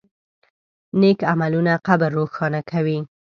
نیک عملونه قبر روښانه کوي.